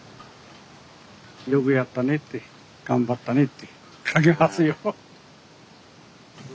よくやったねって頑張ったねってかけますよ。